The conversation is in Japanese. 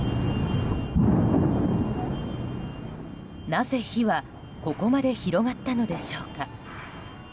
なぜ、火はここまで広がったのでしょうか。